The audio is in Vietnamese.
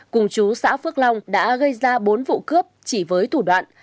cùng chú xã phước long đã gây ra bốn vụ cướp chỉ với thủ đoạn